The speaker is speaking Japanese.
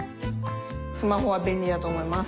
スマホは便利だと思います。